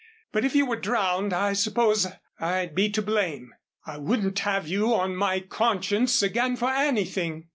But if you were drowned I suppose I'd be to blame. I wouldn't have you on my conscience again for anything."